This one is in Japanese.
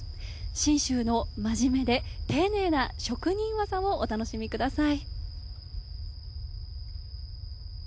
信州のまじめで丁寧な職人技をお楽しみください。